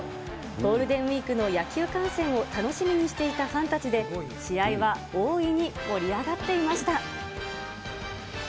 ゴールデンウィークの野球観戦を楽しみにしていたファンたちで、試合は大いに盛り上がっていました。